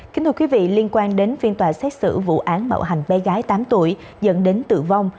kính thưa quý vị liên quan đến phiên tòa xét xử vụ án bạo hành bé gái tám tuổi dẫn đến tử vong